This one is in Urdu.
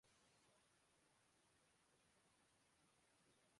فصل خراب ہونے سے سبزیوں کی قلت ہوگئی